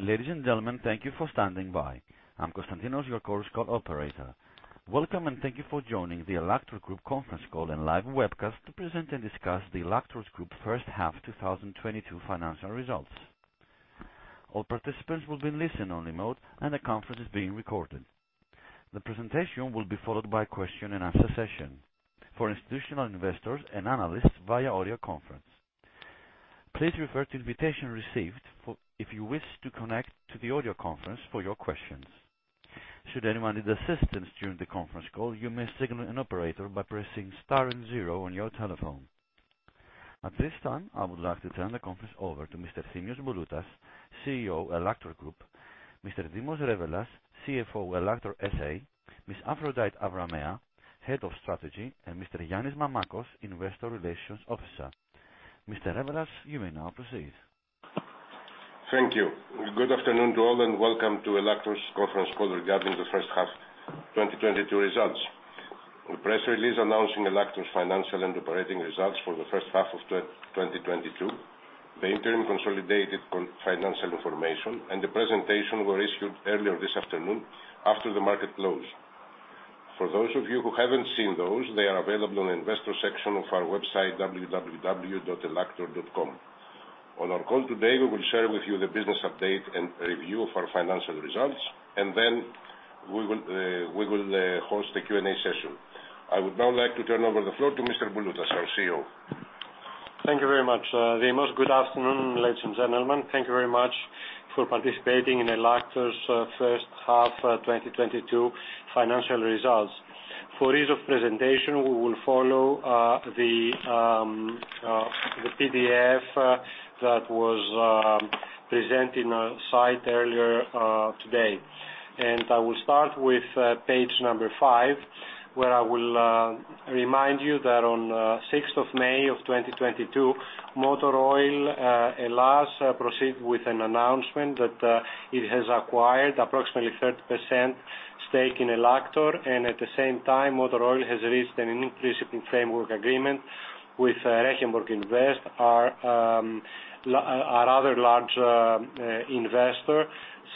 Ladies and gentlemen, thank you for standing by. I'm Constantinos, your Chorus Call operator. Welcome, and thank you for joining the Ellaktor Group conference call and live webcast to present and discuss the Ellaktor Group's first half, 2022 financial results. All participants will be in listen-only mode, and the conference is being recorded. The presentation will be followed by question and answer session for institutional investors and analysts via audio conference. Please refer to invitation received if you wish to connect to the audio conference for your questions. Should anyone need assistance during the conference call, you may signal an operator by pressing star and zero on your telephone. At this time, I would like to turn the conference over to Mr. Efthymios Bouloutas, CEO, Ellaktor Group, Mr. Dimos Revelas, CFO, Ellaktor S.A., Ms. Aphrodite Avramea, Head of Strategy, and Mr. Yannis Mamakos, Investor Relations Officer. Mr. Revelas, you may now proceed. Thank you. Good afternoon to all, and welcome to Ellaktor's conference call regarding the first half 2022 results. The press release announcing Ellaktor's financial and operating results for the first half of 2022. The interim consolidated financial information and the presentation were issued earlier this afternoon after the market closed. For those of you who haven't seen those, they are available on the investor section of our website www.ellaktor.com. On our call today, we will share with you the business update and review of our financial results, and then we will host a Q&A session. I would now like to turn over the floor to Mr. Bouloutas, our CEO. Thank you very much, Dimos. Good afternoon, ladies and gentlemen. Thank you very much for participating in Ellaktor's first half 2022 financial results. For ease of presentation, we will follow the PDF that was presented on site earlier today. I will start with page number five, where I will remind you that on the 6th of May 2022, Motor Oil Hellas proceed with an announcement that it has acquired approximately 30% stake in Ellaktor. At the same time, Motor Oil has reached an investment framework agreement with Reggeborgh Invest, our other large investor,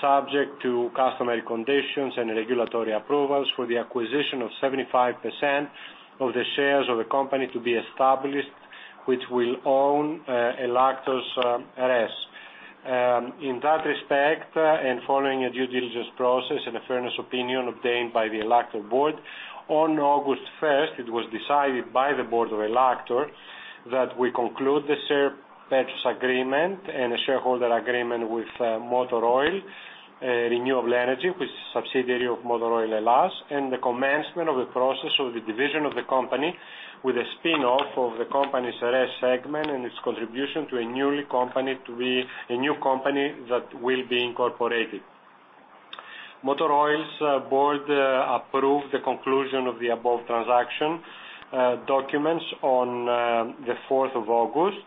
subject to customary conditions and regulatory approvals for the acquisition of 75% of the shares of the company to be established, which will own Ellaktor's RES. In that respect, following a due diligence process and a fairness opinion obtained by the Ellaktor board, on August 1st, it was decided by the board of Ellaktor that we conclude the share purchase agreement and a shareholder agreement with Motor Oil Renewable Energy, which is a subsidiary of Motor Oil Hellas, and the commencement of the process of the division of the company, with a spin-off of the company's RES segment and its contribution to a new company to be incorporated. Motor Oil's board approved the conclusion of the above transaction documents on the 4th of August.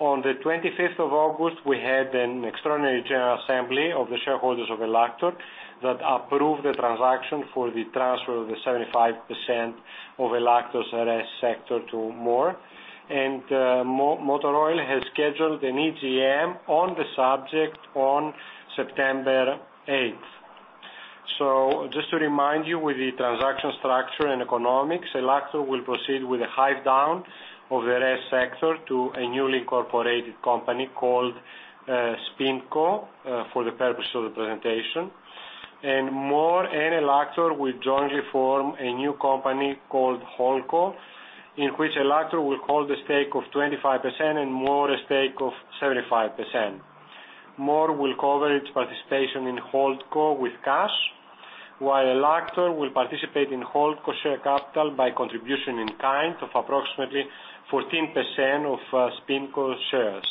On the 25th of August, we had an extraordinary General Assembly of the shareholders of Ellaktor that approved the transaction for the transfer of the 75% of Ellaktor's RES sector to. Motor Oil has scheduled an EGM on the subject on September eighth. Just to remind you, with the transaction structure and economics, Ellaktor will proceed with a hive down of the RES sector to a newly incorporated company called SpinCo, for the purpose of the presentation. MORE and Ellaktor will jointly form a new company called HoldCo, in which Ellaktor will hold a stake of 25% and MORE a stake of 75%. MORE will cover its participation in HoldCo with cash, while Ellaktor will participate in HoldCo share capital by contribution in kind of approximately 14% of SpinCo shares.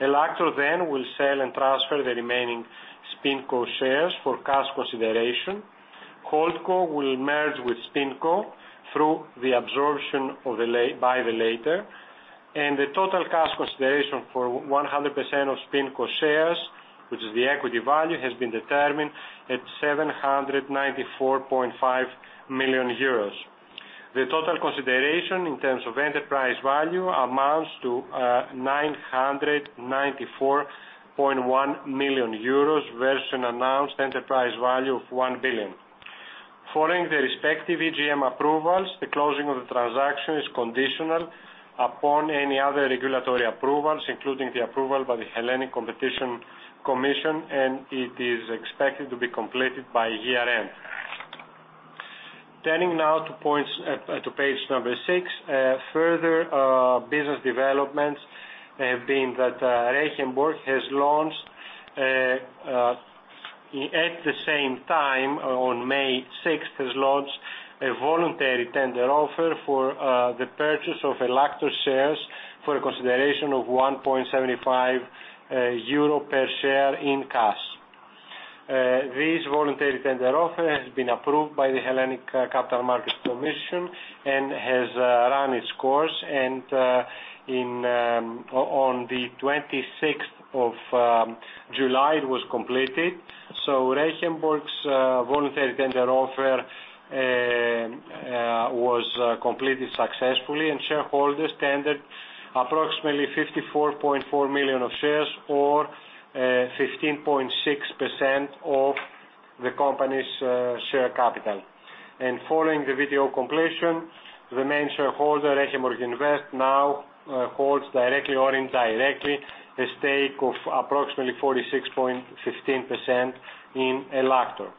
Ellaktor then will sell and transfer the remaining SpinCo shares for cash consideration. HoldCo will merge with SpinCo through the absorption of the former by the latter. The total cash consideration for 100% of SpinCo shares, which is the equity value, has been determined at 794.5 million euros. The total consideration in terms of enterprise value amounts to 994.1 million euros versus announced enterprise value of 1 billion. Following the respective EGM approvals, the closing of the transaction is conditional upon any other regulatory approvals, including the approval by the Hellenic Competition Commission, and it is expected to be completed by year-end. Turning now to page number six. Further business developments have been that Reggeborgh has launched at the same time on May 6 a voluntary tender offer for the purchase of Ellaktor shares for a consideration of 1.75 euro per share in cash. This voluntary tender offer has been approved by the Hellenic Capital Market Commission and has run its course and in on the 26th of July, it was completed. Reggeborgh's voluntary tender offer was completed successfully, and shareholders tendered approximately 54.4 million shares or 15.6% of the company's share capital. Following the tender completion, the main shareholder, Reggeborgh Invest, now holds directly or indirectly a stake of approximately 46.15% in Ellaktor.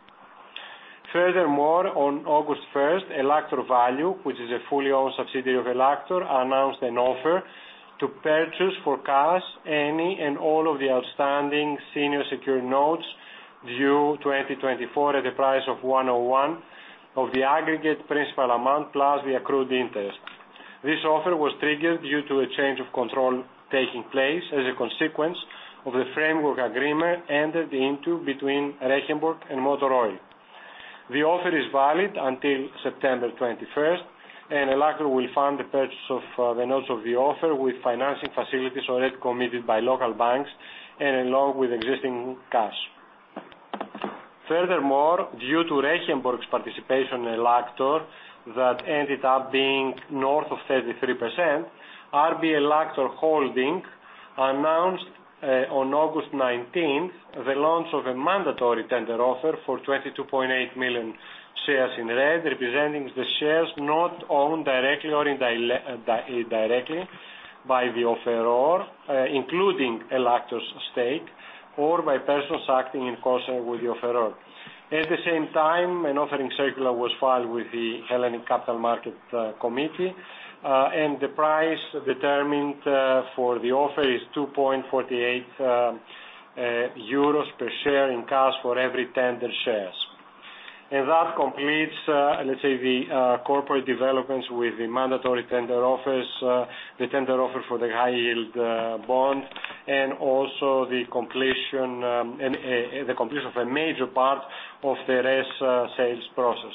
Furthermore, on August 1st, Ellaktor Value, which is a fully owned subsidiary of Ellaktor, announced an offer to purchase for cash any and all of the outstanding senior secured notes due 2024 at a price of 101% of the aggregate principal amount plus the accrued interest. This offer was triggered due to a change of control taking place as a consequence of the framework agreement entered into between Reggeborgh and Motor Oil. The offer is valid until September 21st, and Ellaktor will fund the purchase of the notes of the offer with financing facilities already committed by local banks and along with existing cash. Furthermore, due to Reggeborgh's participation in Ellaktor that ended up being north of 33%, RB Ellaktor Holding announced on August 19th, the launch of a mandatory tender offer for 22.8 million shares in REDS, representing the shares not owned directly or indirectly by the offeror, including Ellaktor's stake or by persons acting in concert with the offeror. At the same time, an offering circular was filed with the Hellenic Capital Market Commission, and the price determined for the offer is 2.48 euros per share in cash for every tender shares. That completes, let's say the corporate developments with the mandatory tender offers, the tender offer for the high yield bond, and also the completion of a major part of the RES sales process.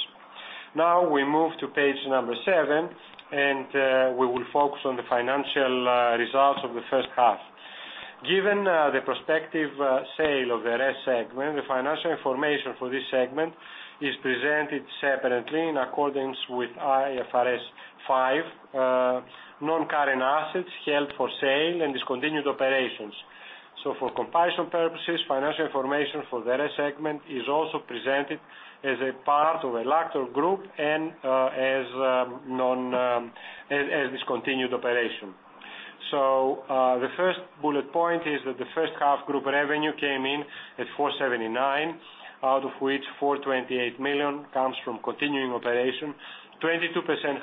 Now we move to page number seven, and we will focus on the financial results of the first half. Given the prospective sale of the RES segment, the financial information for this segment is presented separately in accordance with IFRS 5 non-current assets held for sale and discontinued operations. For comparison purposes, financial information for the RES segment is also presented as a part of Ellaktor Group and as a discontinued operation. The first bullet point is that the first half Group revenue came in at 479 million, out of which 428 million comes from continuing operation. 22%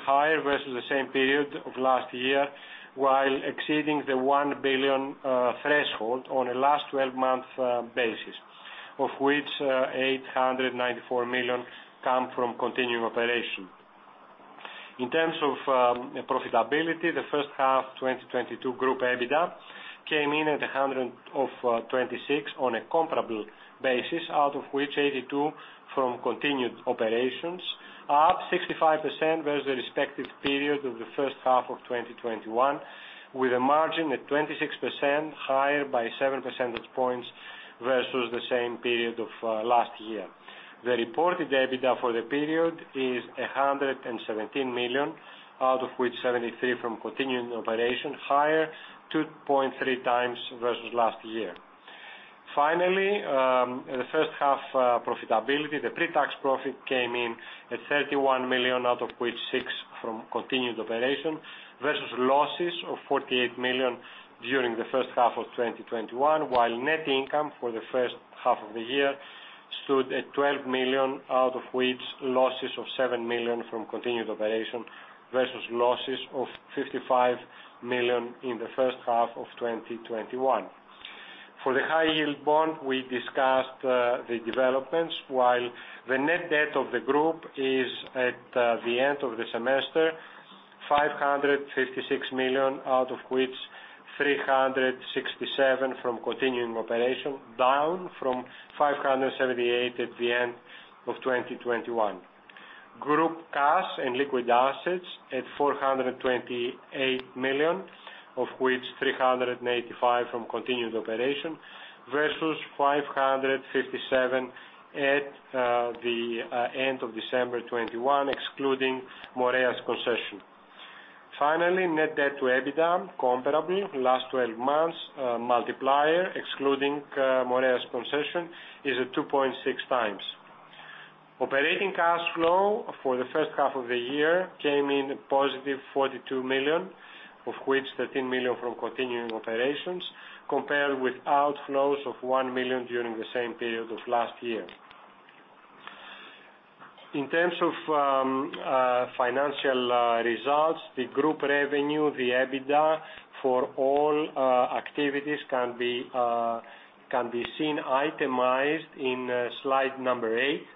higher versus the same period of last year, while exceeding the 1 billion threshold on a last 12 month basis. Of which, 894 million come from continuing operation. In terms of profitability, the first half 2022 group EBITDA came in at 126 on a comparable basis, out of which 82 from continuing operations, up 65% versus the respective period of the first half of 2021, with a margin at 26% higher by seven percentage points versus the same period of last year. The reported EBITDA for the period is 117 million, out of which 73 from continuing operations, higher 2.3x versus last year. Finally, the first half profitability, the pre-tax profit came in at 31 million, out of which six from continued operation, versus losses of 48 million during the first half of 2021, while net income for the first half of the year stood at 12 million, out of which losses of 7 million from continued operation, versus losses of 55 million in the first half of 2021. For the high yield bond we discussed, the developments while the net debt of the group is at the end of the semester, 556 million, out of which 367 from continuing operation, down from 578 at the end of 2021. Group cash and liquid assets at 428 million, of which 385 million from continued operation, versus 557 million at the end of December 2021, excluding Moreas Concession. Finally, Net Debt to EBITDA, comparable last 12 months, multiplier, excluding Moreas Concession, is at 2.6x. Operating cash flow for the first half of the year came in at +42 million, of which 13 million from continuing operations, compared with outflows of 1 million during the same period of last year. In terms of financial results, the group revenue, the EBITDA for all activities can be seen itemized in slide number eighth,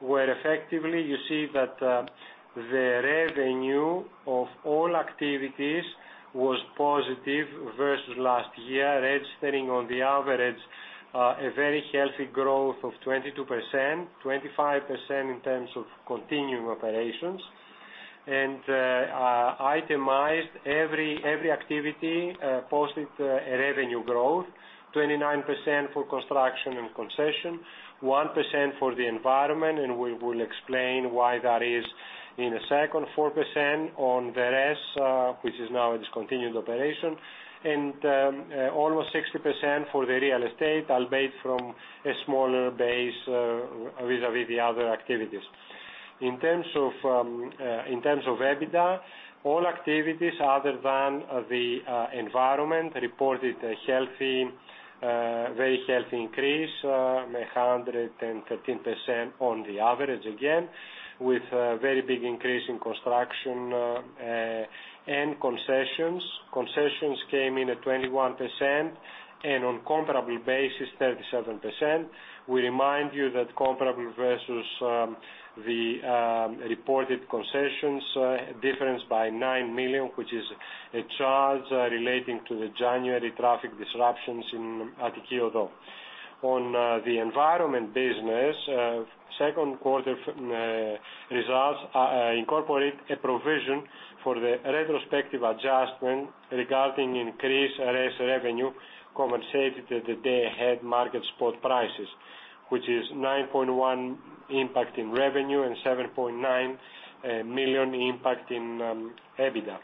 where effectively you see that the revenue of all activities was positive versus last year, registering on the average a very healthy growth of 22%, 25% in terms of continuing operations. Itemized every activity posted a revenue growth. 29% for construction and concession, 1% for the environment, and we will explain why that is in a second. 4% on RES, which is now a discontinued operation. Almost 60% for the real estate, albeit from a smaller base vis-a-vis the other activities. In terms of EBITDA, all activities other than the environment reported a healthy, very healthy increase, 113% on the average, again, with a very big increase in construction and concessions. Concessions came in at 21%, and on comparable basis, 37%. We remind you that comparable versus the reported concessions difference by 9 million, which is a charge relating to the January traffic disruptions in Attiki Odos. On the environment business, second quarter results incorporate a provision for the retrospective adjustment regarding increased RES revenue, common sector that they had market spot prices, which is 9.1 million impact in revenue and 7.9 million impact in EBITDA.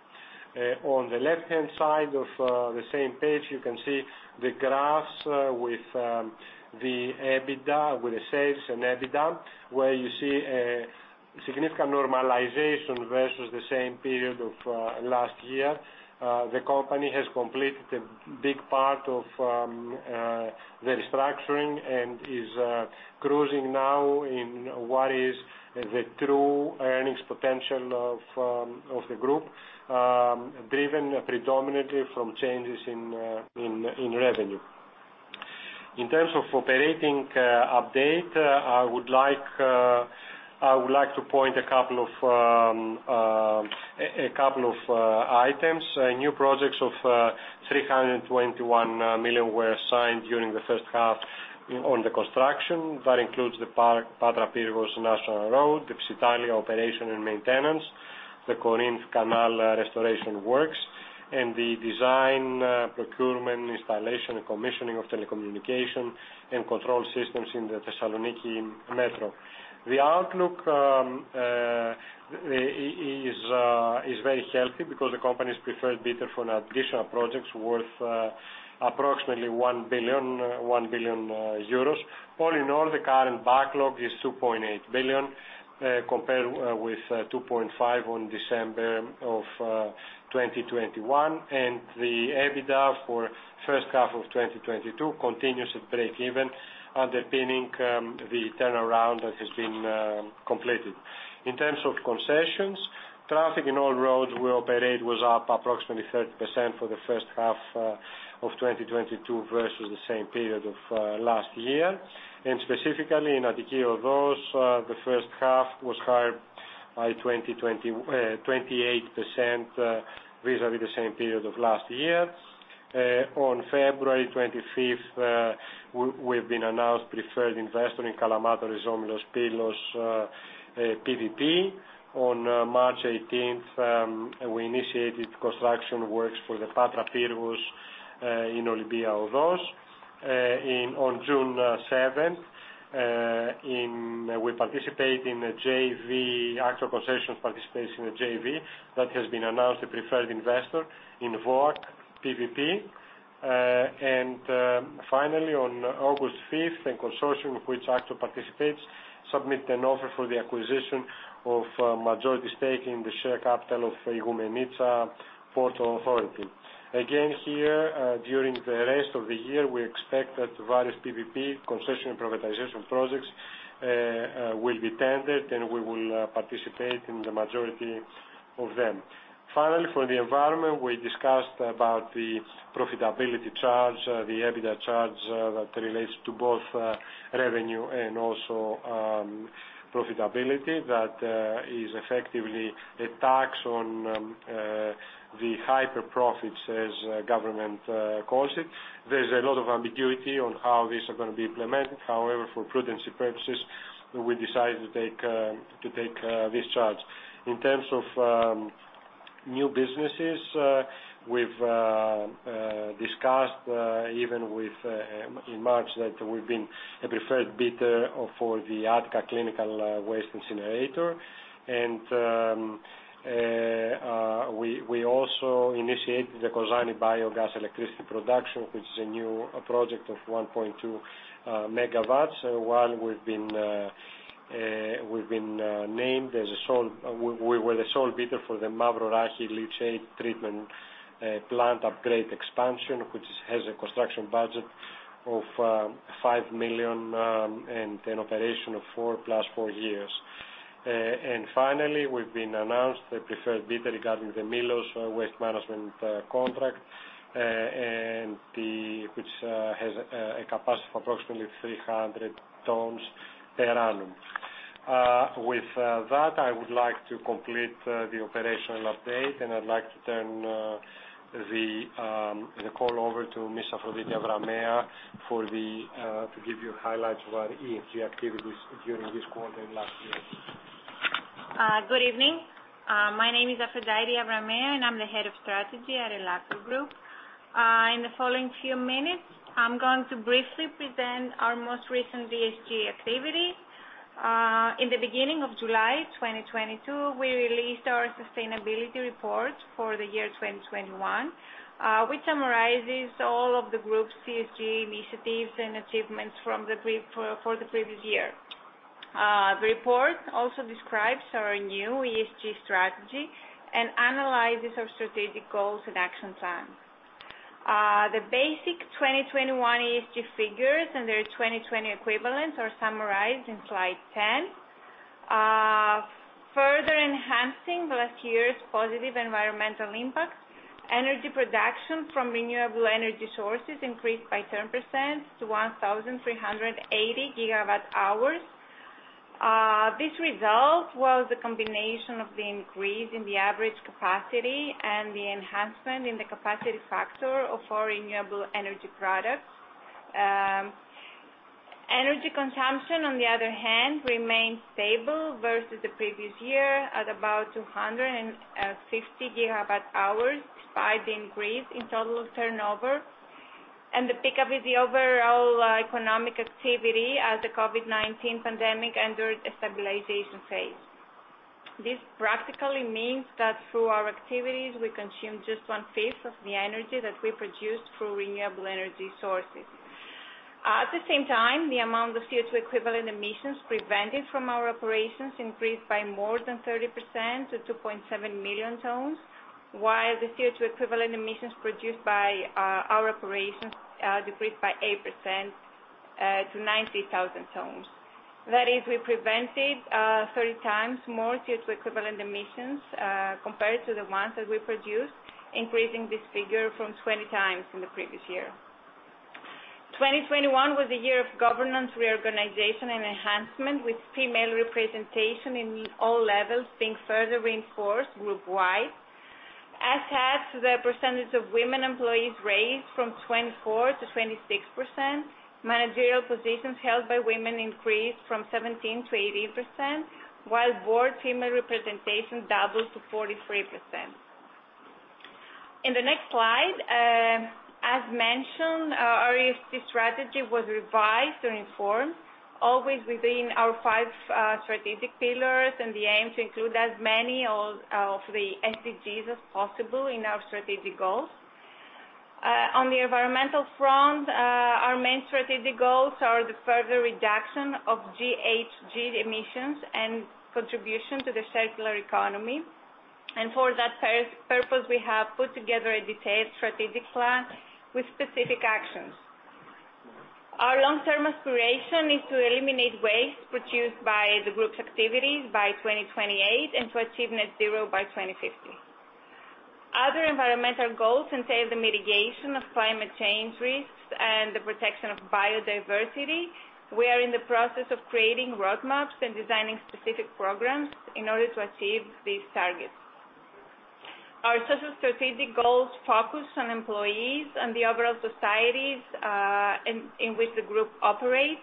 On the left-hand side of the same page, you can see the graphs with the EBITDA with the sales and EBITDA, where you see a significant normalization versus the same period of last year. The company has completed a big part of the restructuring and is cruising now in what is the true earnings potential of the group, driven predominantly from changes in revenue. In terms of operating update, I would like to point a couple of items. New projects of 321 million were signed during the first half in construction. That includes the Patras–Pyrgos National Road, the Psyttaleia operation and maintenance, the Corinth Canal restoration works, and the design, procurement, installation, and commissioning of telecommunication and control systems in the Thessaloniki Metro. The outlook is very healthy because the company is preferred bidder for additional projects worth approximately 1 billion. All in all, the current backlog is 2.8 billion compared with 2.5 billion on December of 2021, and the EBITDA for first half of 2022 continues to break even, underpinning the turnaround that has been completed. In terms of concessions, traffic in all roads we operate was up approximately 30% for the first half of 2022 versus the same period of last year. Specifically in Attiki Odos, the first half was higher by 28% vis-a-vis the same period of last year. On February 25th, we've been announced preferred investor in Kalamata-Rizomylos-Pylos, PPP. On March 18th, we initiated construction works for the Patras-Pyrgos in Olympia Odos. On June 7th, we participate in a JV, Aktor Concessions participates in a JV that has been announced a preferred investor in Voula PPP. Finally, on August 5th, a consortium of which Aktor participates, submit an offer for the acquisition of majority stake in the share capital of Igoumenitsa Port Authority. Again, here, during the rest of the year, we expect that various PPP concession and privatization projects will be tendered, and we will participate in the majority of them. Finally, for the environment, we discussed about the profitability charge, the EBITDA charge, that relates to both revenue and also profitability that is effectively a tax on the hyper profits as the government calls it. There's a lot of ambiguity on how these are gonna be implemented. However, for prudence purposes, we decided to take this charge. In terms of new businesses, we've discussed even in March that we've been a preferred bidder for the Attica Clinical Waste Incinerator. We also initiated the Kozani Biogas Electricity Production, which is a new project of 1.2 MW, while we've been named as the sole bidder for the Mavrorachi Leachate Treatment Plant Upgrade Expansion, which has a construction budget of 5 million and an operation of 4 + 4 years. Finally, we've been announced the preferred bidder regarding the Milos Waste Management Contract, which has a capacity of approximately 300 tons per annum. With that, I would like to complete the operational update, and I'd like to turn the call over to Ms. Aphrodite Avramea to give you highlights about ESG activities during this quarter and last year. Good evening. My name is Aphrodite Avramea, and I'm the Head of Strategy at Ellaktor Group. In the following few minutes, I'm going to briefly present our most recent ESG activity. In the beginning of July 2022, we released our sustainability report for the year 2021, which summarizes all of the group's ESG initiatives and achievements for the previous year. The report also describes our new ESG strategy and analyzes our strategic goals and action plans. The basic 2021 ESG figures and their 2020 equivalents are summarized in slide 10. Further enhancing last year's positive environmental impact, energy production from renewable energy sources increased by 10% to 1,380 GWh. This result was a combination of the increase in the average capacity and the enhancement in the capacity factor of our renewable energy products. Energy consumption, on the other hand, remained stable versus the previous year at about 260 GWh, despite the increase in total turnover and the pickup with the overall economic activity as the COVID-19 pandemic entered a stabilization phase. This practically means that through our activities, we consume just 1/5 of the energy that we produce through renewable energy sources. At the same time, the amount of CO₂ equivalent emissions prevented from our operations increased by more than 30% to 2.7 million tons, while the CO₂ equivalent emissions produced by our operations decreased by 8% to 90,000 tons. That is, we prevented 30x more CO₂ equivalent emissions compared to the ones that we produced, increasing this figure from 20x in the previous year. 2021 was the year of governance reorganization and enhancement, with female representation in all levels being further reinforced groupwide. As such, the percentage of women employees raised from 24%-26%. Managerial positions held by women increased from 17%-18%, while board female representation doubled to 43%. In the next slide, as mentioned, our ESG strategy was revised and informed, always within our five strategic pillars and the aim to include as many of the SDGs as possible in our strategic goals. On the environmental front, our main strategic goals are the further reduction of GHG emissions and contribution to the circular economy. For that purpose, we have put together a detailed strategic plan with specific actions. Our long-term aspiration is to eliminate waste produced by the group's activities by 2028 and to achieve net zero by 2050. Other environmental goals entail the mitigation of climate change risks and the protection of biodiversity. We are in the process of creating road maps and designing specific programs in order to achieve these targets. Our social strategic goals focus on employees and the overall societies in which the group operates.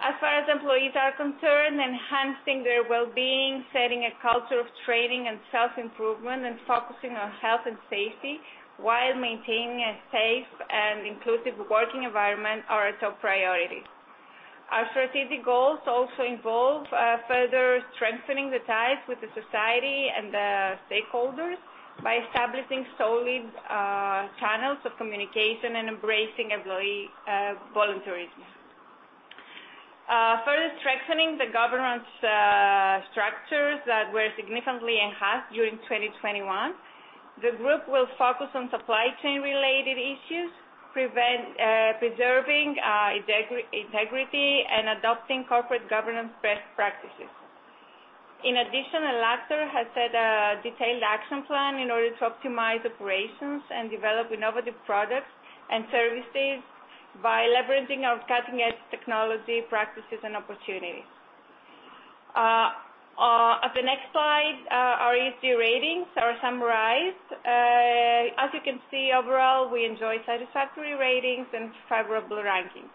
As far as employees are concerned, enhancing their well-being, setting a culture of training and self-improvement, and focusing on health and safety while maintaining a safe and inclusive working environment are a top priority. Our strategic goals also involve further strengthening the ties with the society and the stakeholders by establishing solid channels of communication and embracing employee volunteerism. Further strengthening the governance structures that were significantly enhanced during 2021, the group will focus on supply chain related issues, preserving integrity, and adopting corporate governance best practices. In addition, Ellaktor has set a detailed action plan in order to optimize operations and develop innovative products and services by leveraging our cutting-edge technology, practices, and opportunities. At the next slide, our ESG ratings are summarized. As you can see, overall, we enjoy satisfactory ratings and favorable rankings.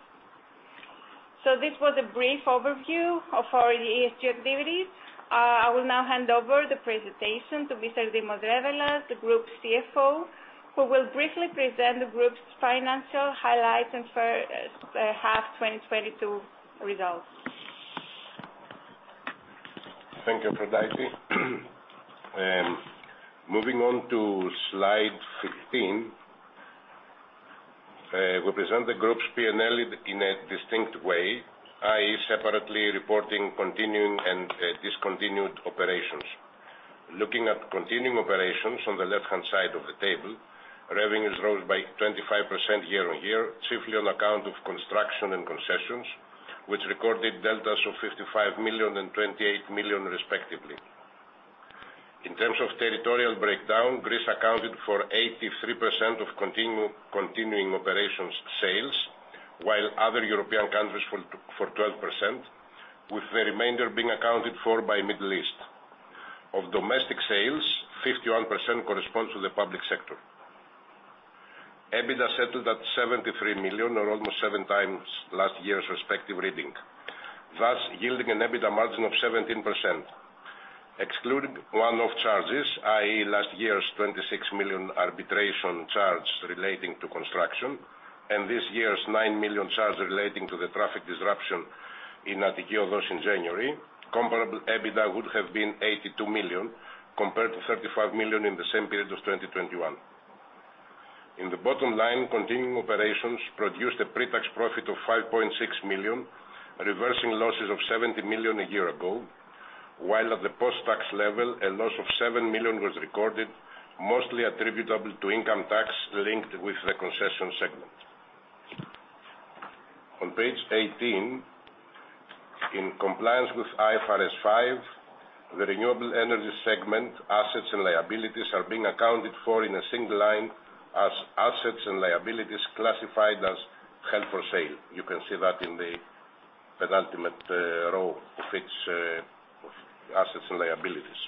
This was a brief overview of our ESG activities. I will now hand over the presentation to Mr. Dimos Revelas, the group's CFO, who will briefly present the group's financial highlights and first half 2022 results. Thank you, Aphrodite. Moving on to slide 15, we present the group's P&L in a distinct way, i.e., separately reporting continuing and discontinued operations. Looking at continuing operations on the left-hand side of the table, revenues rose by 25% year-on-year, chiefly on account of construction and concessions, which recorded deltas of 55 million and 28 million, respectively. In terms of territorial breakdown, Greece accounted for 83% of continuing operations sales, while other European countries for 12%. With the remainder being accounted for by Middle East. Of domestic sales, 51% corresponds to the public sector. EBITDA settled at 73 million or almost 7x last year's respective reading, thus yielding an EBITDA margin of 17%. Excluding one-off charges, i.e., last year's 26 million arbitration charge relating to construction and this year's 9 million charge relating to the traffic disruption in Attiki Odos in January. Comparable EBITDA would have been 82 million compared to 35 million in the same period of 2021. In the bottom line, continuing operations produced a pre-tax profit of 5.6 million, reversing losses of 70 million a year ago, while at the post-tax level, a loss of 7 million was recorded, mostly attributable to income tax linked with the concession segment. On page 18, in compliance with IFRS 5, the renewable energy segment, assets and liabilities are being accounted for in a single line as assets and liabilities classified as held for sale. You can see that in the penultimate row of its assets and liabilities.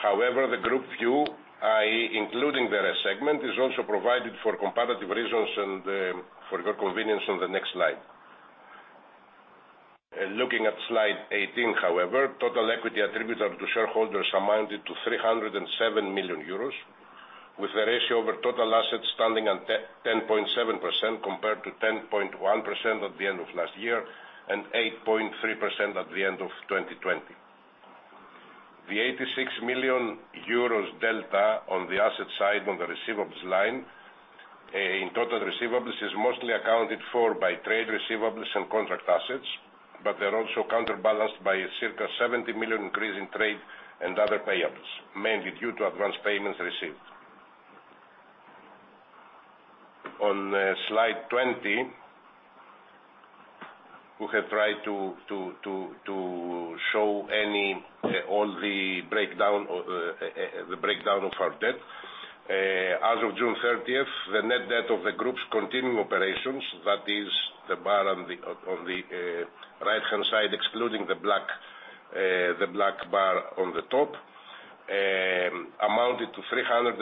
However, the group view, i.e., including the segment, is also provided for comparative reasons and for your convenience on the next slide. Looking at slide 18, however, total equity attributable to shareholders amounted to 307 million euros, with the ratio over total assets standing at 10.7% compared to 10.1% at the end of last year and 8.3% at the end of 2020. The 86 million euros delta on the asset side on the receivables line in total receivables is mostly accounted for by trade receivables and contract assets, but they're also counterbalanced by a circa 70 million increase in trade and other payables, mainly due to advanced payments received. On slide 20, we have tried to show all the breakdown of our debt. As of June 13th, the net debt of the group's continuing operations, that is the bar on the right-hand side, excluding the black bar on the top, amounted to 367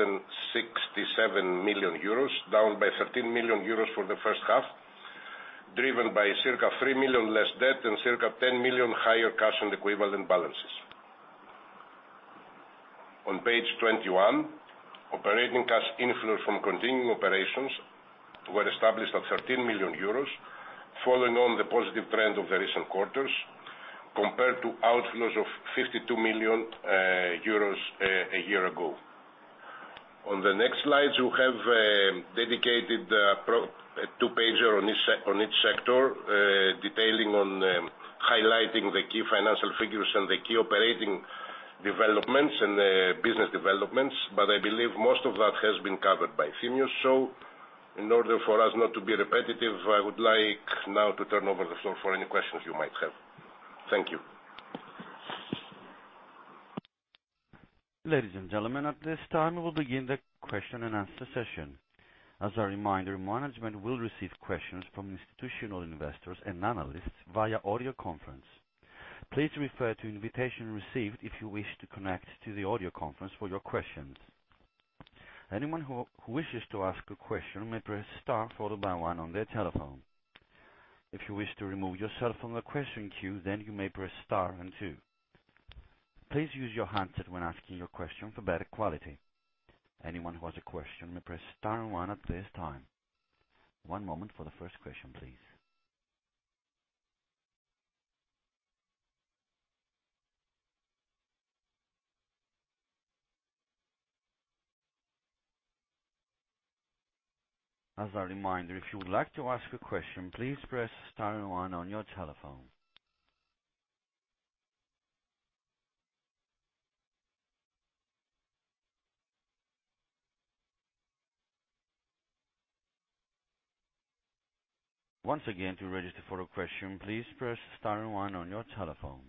million euros, down by 13 million euros for the first half, driven by circa 3 million less debt and circa 10 million higher cash and equivalent balances. On page 21, operating cash inflows from continuing operations were established at 13 million euros, following on the positive trend of the recent quarters compared to outflows of 52 million euros a year ago. On the next slides, you have dedicated a two-pager on each sector, detailing, highlighting the key financial figures and the key operating developments and business developments, but I believe most of that has been covered by Efthymios. In order for us not to be repetitive, I would like now to turn over the floor for any questions you might have. Thank you. Ladies and gentlemen, at this time, we will begin the question and answer session. As a reminder, management will receive questions from institutional investors and analysts via audio conference. Please refer to invitation received if you wish to connect to the audio conference for your questions. Anyone who wishes to ask a question may press star followed by one on their telephone. If you wish to remove yourself from the question queue, then you may press star and two. Please use your handset when asking your question for better quality. Anyone who has a question may press star and one at this time. One moment for the first question, please. As a reminder, if you would like to ask a question, please press star and one on your telephone. Once again, to register for a question, please press star and one on your telephone.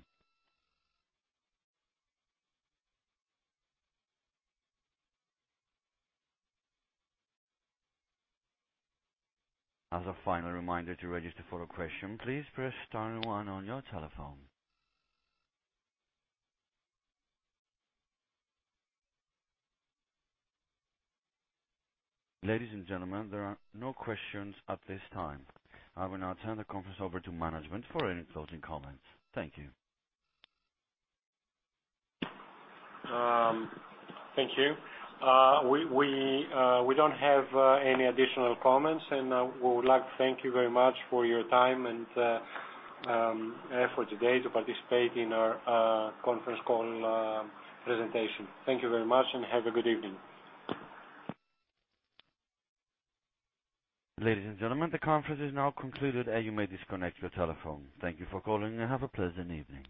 As a final reminder to register for a question, please press star and one on your telephone. Ladies and gentlemen, there are no questions at this time. I will now turn the conference over to management for any closing comments. Thank you. Thank you. We don't have any additional comments, and we would like to thank you very much for your time and for today to participate in our conference call presentation. Thank you very much, and have a good evening. Ladies and gentlemen, the conference is now concluded, and you may disconnect your telephone. Thank you for calling, and have a pleasant evening.